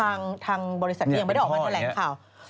อันนี้ทางบริษัทยังไม่ได้ออกมาไม่ถึงแรงข่าว